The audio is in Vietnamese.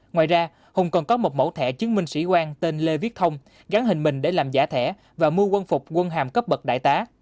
ngoài ra hùng còn có một mẫu thẻ chứng minh sĩ quan tên lê viết thông gắn hình mình để làm giả thẻ và mua quân phục quân hàm cấp bật đại tá